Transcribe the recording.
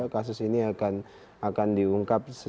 kasus ini akan diungkap